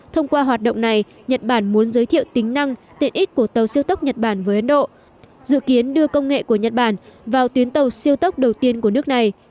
thông qua hoạt động này nhật bản muốn giới thiệu tính năng tiện ích của tàu siêu tốc nhật bản với ấn độ dự kiến đưa công nghệ của nhật bản vào tuyến tàu siêu tốc đầu tiên của nước này